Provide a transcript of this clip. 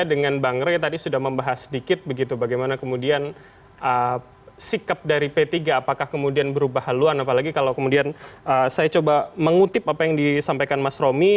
dengan bang ray tadi sudah membahas sedikit begitu bagaimana kemudian sikap dari p tiga apakah kemudian berubah haluan apalagi kalau kemudian saya coba mengutip apa yang disampaikan mas romi